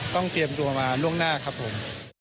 เตรียมตัวมาล่วงหน้าครับผม